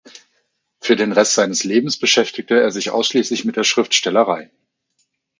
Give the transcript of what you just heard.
Für den Rest seines Lebens beschäftigte er sich ausschließlich mit der Schriftstellerei.